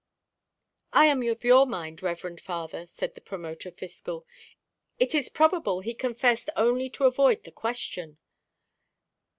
"I am of your mind, reverend father," said the Promoter fiscal. "It is probable he confessed only to avoid the Question.